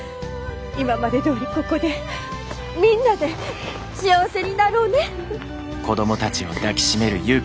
今までどおりここでみんなで幸せになろうね。